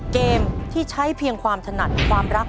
เกมที่ใช้เพียงความถนัดความรัก